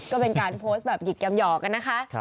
ก็เป็นการโพสต์แบบหยิกยำหยอกกันนะคะ